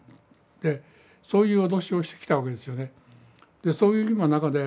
そういう脅しをしてきたわけですよね。